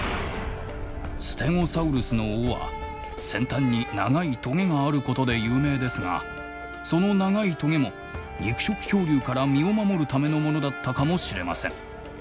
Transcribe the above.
ステゴサウルスの尾は先端に長いトゲがあることで有名ですがその長いトゲも肉食恐竜から身を守るためのものだったかもしれません。